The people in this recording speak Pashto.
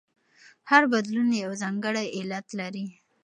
هر بدلون یو ځانګړی علت لري.